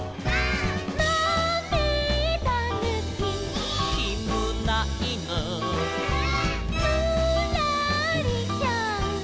「まめだぬき」「」「きむないぬ」「」「ぬらりひょん」